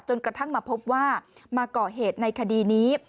กระทั่งมาพบว่ามาก่อเหตุในคดีนี้